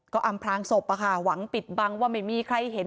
ก็อำพลางศพหวังปิดบังว่าไม่มีใครเห็น